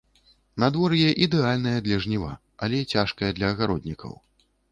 Надвор'е ідэальнае для жніва, але цяжкае для агароднікаў.